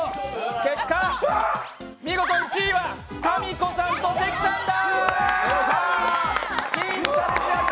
結果、見事１位はかみこさんと関さんだ！